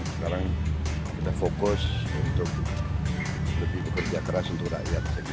sekarang kita fokus untuk lebih bekerja keras untuk rakyat